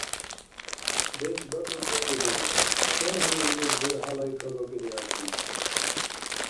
БецӀ бакӀиб бикӀуду? Сен хӀуни илис дурхӀя лайкабакӀири гьатӀи?